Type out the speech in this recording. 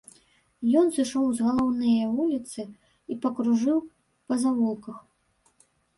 Ён сышоў з галоўнае вуліцы і пакружыў па завулках.